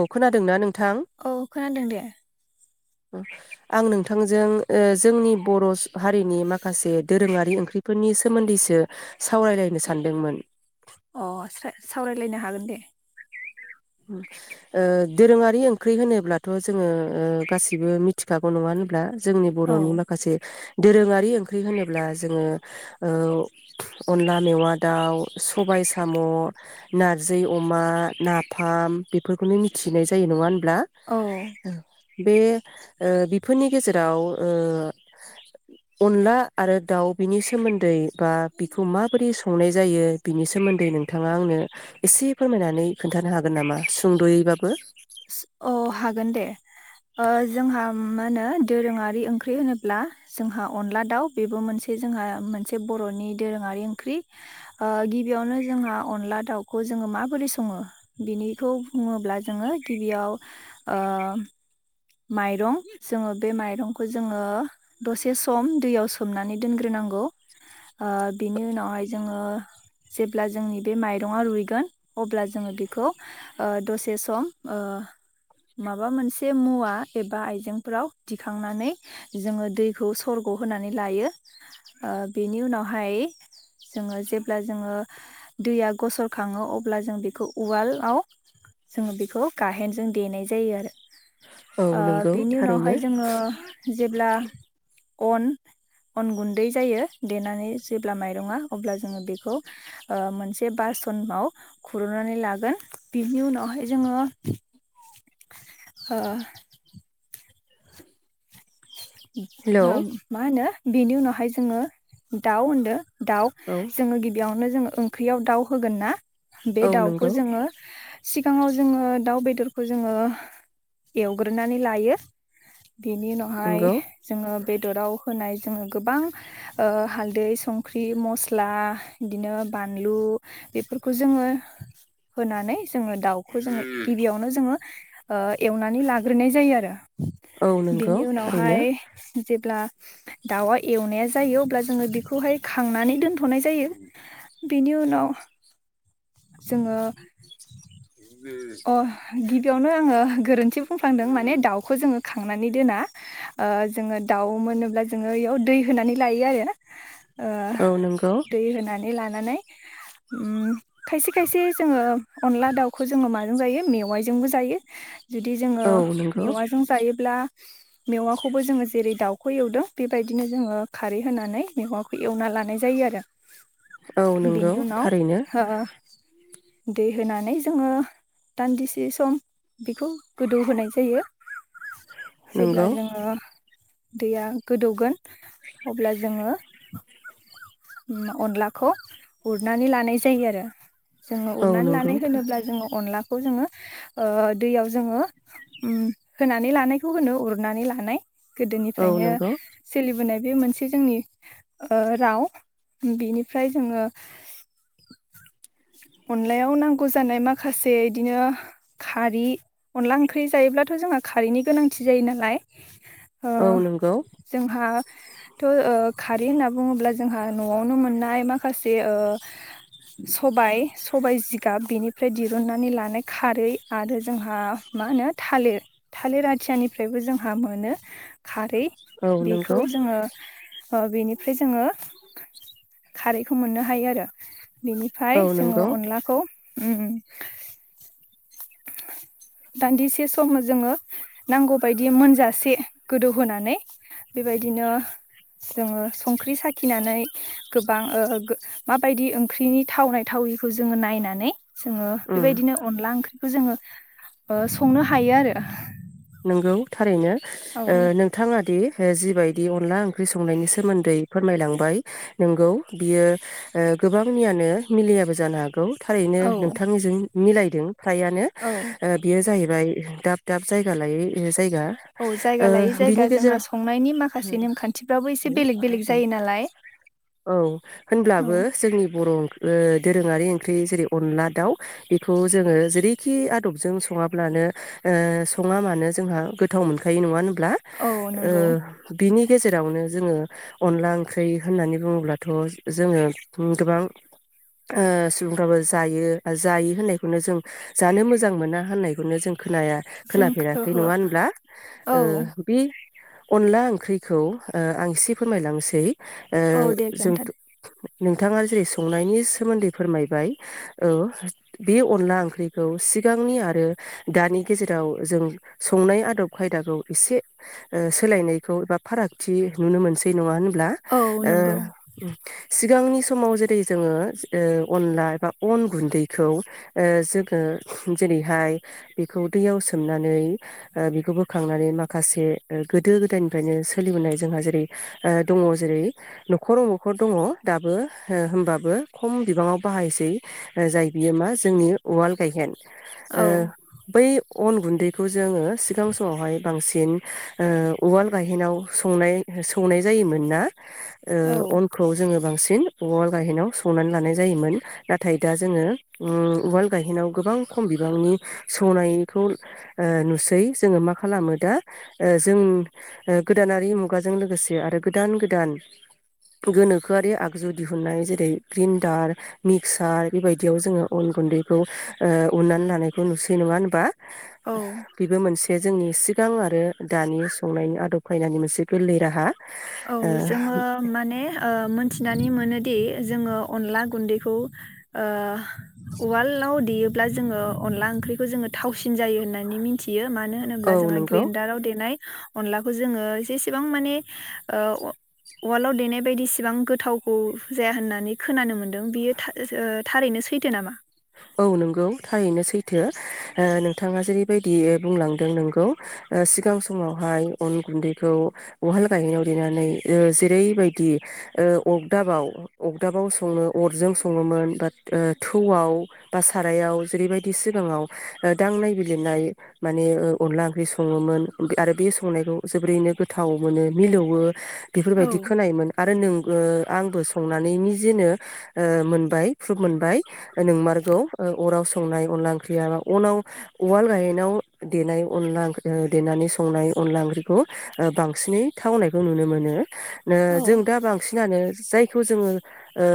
औ खोनादोंना नों औ खोनादों दे आं नोंथांजों जोंनि बर हारिनि माखासे दोरोङारि ओंख्रिफोरनि सोमोन्दैसो सावरायलायनो सानदोंमोन अ सा-सावरायलायनो हागोन दे ओ दोरोङारि ओंख्रि होनोब्लाथ जोङो ओ गासिबो मिथिखागौ नङा होनब्ला जोंनि औ बर'नि माखासे दोरोङारि ओंख्रि होनोब्ला जोङो ओ अनला मेवा दाउ सबाय साम नारजि अमा ना फाम बेफोरखौनो मिथिनाय जायो नङा होन ब्ला औ बे ओ बिफोरनि गेजेराव ओ अनला आरो दाउ बिनि सोमोन्दै बा बिखौ माबोरै संनाय जायो बिनि सो सोमोन्दै नोंथाङा आंनो एसे फोरमायनानै खोन्थानो हा गोन नामा सुंदयैबाबो अ हागोन दे ओ जोंहा मा होनो दोरोङारि ओंख्रि होनोब्ला जोंहा अनला दाउ बेबो मोनसे जोंहा मोनसे बरनि दोरोङारि ओंख्रि गिबियावनो जोंहा अनला दाउखौ जोङो माबोरै सङो बिनिखौ बुङोब्ला जोङो गिबियाव ओ माइरं जोङो बे माइरंखौ जोङो दसे सम दैयाव सोमनानै दोनग्रोनांगौ बिनि ओ उनावहाय जोङो जेब्ला जोंनि बे माइरङा रुइगोन अब्ला जोङो बेखौ दसे सम ओ माबा मोनसे मुवा एबा आइजेंफोराव दिखांनानै जोङो दैखौ सरग'ओ होनानै लायो बेनि उनावहाय जोङो जेब्ला जोङो दैया गसर खाङो अब्ला जों बेखौ उवालाव जोङो बेखौ गाहेनजों देनाय जायो आरो औ नंगौ बिनि थारैनो उनावहाय जोङो जेब्ला अन अन गुन्दै जायो देनानै जेब्ला माइरङा अब्ला जोङो बेखौ मोनसे बासनाव खुरनानै लागोन बिनि उनावहाय जोङो ओ [inaudible] हेलौ मा होनो बेनि उनावहाय जोङो दाउ होनदों दाउ औ जोङो गिबियाव नो जोङो ओंख्रियाव दाउ होगोन ना बे औ दाउखौ नंगौ जोङो सिगाङाव जोङो दाउ बेदर खौ जोङो एवग्रोनानै लायो बेनि उनावहाय नंगौ बेदराव होनाय जोङो गोबां हालदै संख्रि मस्ला बिदिनो बानलु बेफोरखौ जोङो होनानै जोङो दाउखौ जोङो गिबियावनो जोङो एवनानै लाग्रोनाय जायो आरो औ नंगौ बेनि थारैनो उनावहाय जेब्ला दाउआ एवनाया जायो अब्ला जोङो बेखौहाय खांनानै दोनथनाय जायो बेनि उनाव जोङो अ गिबियावनो आङो गोरोन्थि बुंफ्लांदों माने दाउखौ जोङो खांनानै दोना जोङो दाउ मोनोब्ला जोङो बेयाव दै होनानै लायो आरो औ नंगौ दै होनानै लानानै उम खायसे खायसे जोङो अनला दाउखौ जोङो माजों जायो मेवाइजोंबो जायो। जुदि जोङो औ नंगौ मेवाइजों जायोब्ला मेवाखौबो जोङो जेरै दाउ खौ एवदों बेबायदिनो जोङो खारै होनानै मेवाखौ एवना लानाय जायो आरो औ बेनि नंगौ उनाव थारैनो ओ दै होनानै जोङो दान्दिसे सम बेखौ गोदौ होनाय जायो। जेब्ला नंगौ जोङो दैया गोदौगोन अब्ला जोङो। उम अनलाखौ उरनानै लानाय जायो आरो जोङो औ उरनानै नंगौ लानाय होनोब्ला जोङो अनलाखौ जोङो ओ दैयाव जोङो उम होनानै लानायखौ होनो उरनानै लानाय। औ गोदोनिफ्रायनो नंगौ सोलिबोनाय ‌ बे मोनसे जोंनि ओ राव बिनिफ्राय जोङो अनलायाव नांगौ जानाय माखासे इदिनो खारि अनला ओंख्रि जायोब्लाथ' जोंहा खारिनि गोनांथि जायो नालाय। ओ औ नंगौ जोंहा थ ओ खारै होनना बुङोब्ला जोंहा न'आवनो मोननाय माख खासे ओ सबाइ जिगाब बेनिफ्राय दिरुननानै लानाय खारै आरो जोंहा मा होनो थालिर थालिर आथियानिफ्रायबो जोंहा मोनो। खारै औ बेखौ नंगौ जोङो ओ बिनि फ्राय जोङो खारैखौ मोननो हायो आरो बिनिफाय औ अ नंगौ अनलाखौ उम उम दान्दिसे समाव जोङो नांगौबायायदि मोनजासे गोदौहोनानै बेबायदिनो जोङो संख्रि साखिनानै गोबां ओ गो माबायदि ओंख्रिनि थावनाय थाविखौ जोङो नायनानै जोङो उम बेबायदिनो अनला ओंख्रि बेखौ जोङो ओ संनो हायो आरो नंगौ थारैनो औ ओ नोंथाङादि ओ जिबायदि अनला ओंख्रि संनायनि सोमोन्दै फोरमायलांबाय नोंगौ बियो ओ गोबांनियानो मिलियाबो जानो हागौ। थारैनो औ नोंथांजों मिलायदों। फ्रायानो औ ओ बियो जाहैब ओमफ्राइ दाब दाब जाय [unintelligible] जायगा औ ओ जायगा लायै जायगा बिनि जोंहा गेजेराव संनायनि माखासे नेमखान्थिफ्राबो एसे [inaudible] बेलेग बेलेग जायो नालाय औ औ होनब्लाबो जोंनि बर' ओ दोरोङारि ओंख्रि जेरै अनला दाउ बेखौ जोङो जेरैखि आदबजों सङाब्लानो ओ सङा मानो जोंहा गोथाव मोनखायो नङा ब्ला औ ओ नंगौ बिनि गेजेरावनो जोङो अनला ओंख्रि होननानै बुङोब्लाथ' जोङो उम गोबां ओ सुबुंफ्राबो जायो जायो होननायखौनो जों जानो मोजां मोना होननायखौनो जों खोनाया। जों खोनाफेराखै ओहो नङा होनब्ला औ ओ बे अनला ओंख्रिखौ ओ आं एसे फोरमायलांसै ओ औ दे जोंथ खोन्थादो नोंथाङा जेरै संनायनि सोमोन्दै फोरमायबाय औ बे अनला ओंख्रिखौ सिगांनि आरो दानि गेजेर दाव जों संनाय आदब खायदाखौ एसे ओ सोलायनायखौ एबा फारागथि नुनो मोनसै नङा होन ब्ला ओ औ नंगौ सिब सिगांनि समाव जेरै जोङो ओ अनला एबा अन गुन्दैखौ ओ जोङो जेरैहाय बेखौ दैयाव सोमनान ओ बिखौ बोखांनानै माखासे ओ गोदो गोदायनिफ्रायनो सोलिबोनाय जोंहा जेरै ओ दङ जेरै न'खराव न'खर दङ दाबो ओ होनोमबाबो खम बिबाङाव बाहायसै ओ जाय बियो मा जोंनि उवाल गायहेन। ओ औ बै अन गुन्दैखौ जोङो सिगां समावहाय बांसिन ओ उवाल गाहेनाव संनाय सौनाय जायोमोन ना? ओ औ अनखौ जोङो बांसिन सिन उवाल गायहेनाव सौनानै लानाय जायोमोन नाथाय दा जोङो उम उवाल गायहेनाव गोबां खम बिबांनि सौनाय खौ ओ नुसै जोङो मा खालामो दा ओ जों ओ गोदानारि मुगाजों लोगोसे आरो गोदान गोदान गोनोखोआरि आगजु दिहुनन्नाय जेरै ग्रिन्डार मिक्सार बेबायदियाव जोङो अन गुन्दैखौ ओ उननानै लानायखौ नुसै नङा होनबा। औ बेबो मोनसे बे जोंनि सिगां आरो दानि संनायनि आदब खायनायनि मोनसे गोरलै राहा। औ जोङो माने ओ मोनथि नानै मोनोदि जोङो अनला गुन्दैखौ ओ उवालाव देयोब्ला जोङो अनला ओंख्रिखौ जोङो थावसिन जायो होननानै मिनथियो। मानो होनोब्ला ओ औ जोङहा नंगौ ग्रेन्डाराव देनाय अनलाखौ जोङो जेसेबां माने ओ वा वालाव देनाय बायदिसिबां गोथावखौ जाया होननानै खोनानो मोन्दों बियो था ओ थारैनो सैथो नामा? औ नंगौ थारैनो सैथो ओ नोंथाङा जेरैबायदि बुंलांदों नोंगौ ओ सिगां समावहाय अन गुन्दैखौ उहाल गायनायाव देनानै ओ जेरैबायदि ओ अगदाबाव अगदाबाव सङो अरजों सङोमोन बा ओ थौआव बा सारायाव जेरैबायदि सिगाङाव ओ दांनाय बिलिरनाय माने ओ अनला ओंख्रि सङोमोन आरो बे संनायखौ जोबोरैनो गोथाव मोनो मिलौवो औ बेफोरबायदि खोनायोमोन। आरो नोंबो आंबो संनानै निजेनो ओ मोनबाय प्रुफ मोनबाय ओ नोंमार्क ओ अराव संनाय अनला ओंख्रिया बा अनाव उवाल गायेनाव देनाय अनला ओं देनानै संनाय अनला ओंख्रिखौ ओ बांसिनै थावनायखौ नुनो मोनो। नो औ जों दा बांसिनानो जायखौ जोङो ओ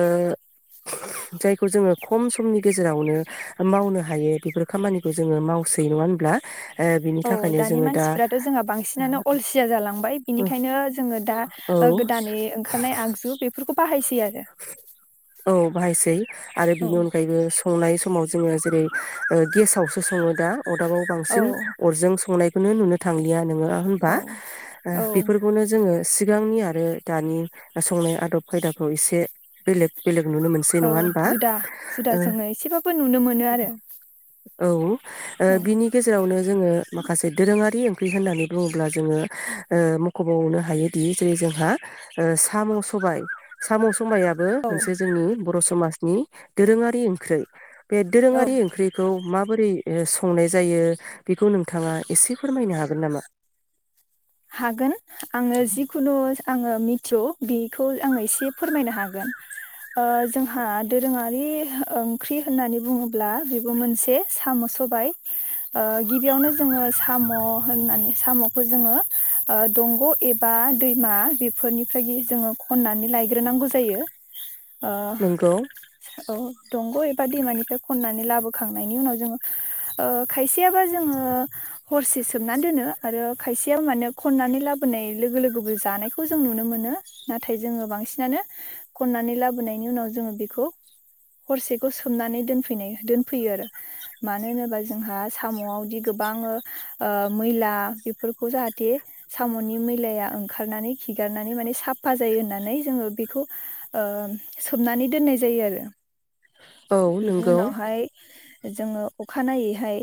जायखौ जोङो खम समनि गेजेरावनो ओ मावनो हायो बेफोर खामानिखौ जोङो मावसै नङा होनब्ला? ओ बिनि औ थाखायनो दानि जोङो दा मानसिफ्राथ' जोंहा बांसिनानो अलसिया जालांबाय बिनिखायनो जोङो दा औ गोदानै ओंखारनाय आगजु बेफोरखौ बाहायसै आरो। औ बाहायसै आरो औ बिनि अनगायैबो संनाय समाव जोङो जेरै गेसावसो सङो दा अरदाबाव बांसिन औ अरजों संनाय खौनो नुनो थांलिया नोङो होनबा औ औ बेफोरखौनो जोङो सिगांनि आरो दानि संनाय आदब खायदाखौ एसे बेलेक बेलेक नुनो मोनसै नङा होनबा जेबो नुनो मोनो आरो औ ओ औ बिनि गेजेरावनो जोङो माखासे दोरोङारि ओंख्रि होननानै बुङोब्ला जोङो ओ मख'बावनो हायोदि जेरै जोंहा ओ साम' सबायाइ साम' सबायाबो मोनसे जोंनि बर' समाजनि दोरोङारि ओंख्रै बे औ दोरोङारि ओंख्रिखौ मा बोरै संनाय जायो बेखौ नोंथाङा एसे फोरमायनो हागोन नामा? हागोन आङो जिखुनु आङो मिथियु बेखौ आङो एसे फोरमायनो हागोन ओ जोंहा दोरोङारि ओंख्रि होननानै बुङोब्ला बेबो मोनसे साम' सबाय ओ गिबियावनो जोङो साम' होननानै साम'खौ जोङो ओ दंग' एबा दैमा बेफोरनिफ्राय जोङो खननानै लायग्रोनांगौ जायो। अ नंगौ अ दंग' दैमानिफ्राय खंनानै लाबो खांनायनि उनाव जों ओ खायसेया बा जों हरसे सोमनानै दोनो‌ आरो खायसे या खननानै लाबोनाय लोगो लोगोबो जानायखौ जों नुनो मोनो नाथाय जोङो बांसिनानो खननानै लाबोनायनि उनाव जोङो बेखौ हरसेखौ सोमनानै दोनफैनाय दोनफैयो आरो मानो होनोबा जोंहा साम'आवदि गोबां ओ मैला बेफोर खौ जाहाथे साम'नि मैलाया ओंखारनानै खिगारनानै माने साफा जायो होननानै जोङो बेखौ ओ सोमनानै दोननाय जायो आरो औ बेनि नंगौ उनावहाय जोङो अखानायैहाय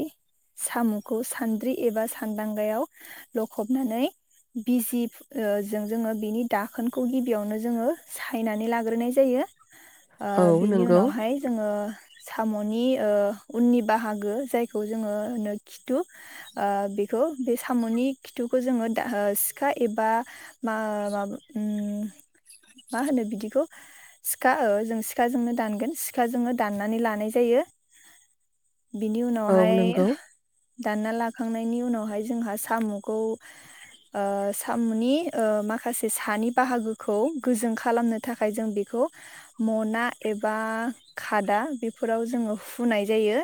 साम'खौ सान्द्रि एबा सान्दांगायाव लखबनानै बिजि जों जोङो बिनि दाखोनखौ गिबियावनो जोङो सायनानै लाग्रोनाय जायो। ओ औ बिनि नंगौ उनावहाय जोङो साम'नि ओ उननि बाहागो जायखौ जोङोनो खिथु ओ बेखौ बे साम'नि खिथुखौ जोङो सिखा एबा मा मा उ मा होनो बिदिखौ सिखा जों सिखाजोंनो दानगोन सिखाजोंनो दाननानै लानाय जायो। बिनि औ उनावहाय नंगौ दानना लाखांनायनि उनावहाय जोंहा साम'खौ ओ साम'नि ओ माखासे सानि बाहागोखौ गोजों खालामनो थाखाय जों बेखौ मना एबा खादा बेफोराव जोङो फुनाय जायो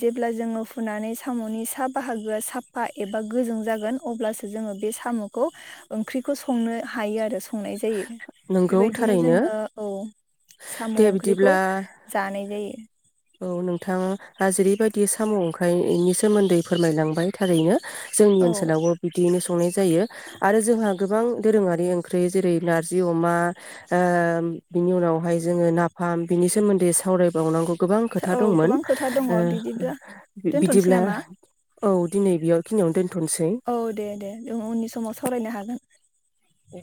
जेब्ला जोङो फुनानै साम'नि सा बाहागोआ साफा ए बा गोजों जागोन अब्लासो जोङो बे साम'खौ ओंख्रिखौ संनो हायो आरो संनाय जायो नंगौ बेबायदिनो थारैनो जोङो ओ साम' दे ओंख्रिखौ बिदिब्ला जानाय जायो। औ नोंथां हाजिरिबायायदि साम' ओंखाइनि सोमोन्दै फोरमायलांबाय थारैनो जोंनि औ ओनसोलावबो बिदियैनो सं संनाय जायो आरो जोंहा गोबां दोरोङारि ओंख्रि जेरै नारजि अमा ओ बिनि उनावहाय जोंङो नाफाम बिनि सोमोन्दै सावरायबावनांगौ गोबां खोथा औ दंमोन गोबां खोथा दङ ओ बिदिब्ला बि दोनथ'नोसै बिदिब्ला नामा? औ दिनै बेयाव खिनियाव दोन। औ दे दे जों उननि समाव सावरायनो हागोन। औ।